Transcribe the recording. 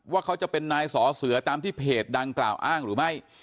ว่าเขาจะเป็นนายสอเสือตามที่เพจดังกล่าวอ้างหรือไม่